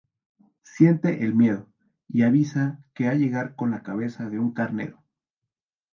Siente el miedo, y avisa que a llegar con la cabeza de un carnero.